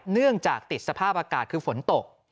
เนื่องจากติดสภาพอากาศคือฝนตก